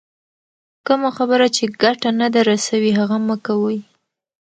کمه خبر چي ګټه نه در رسوي، هغه مه کوئ!